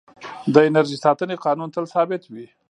د انرژۍ ساتنې قانون تل ثابت وي.